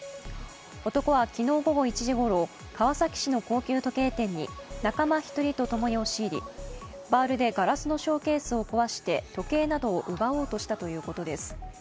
男は昨日午後１時ごろ、川崎市の高級時計店に仲間１人とともに押し入りバールでガラスのショーケースを壊して時計などを奪おうとしたということです。